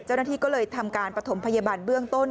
เจ้าหน้าที่ก็เลยทำการปฐมพยาบาลเบื้องต้น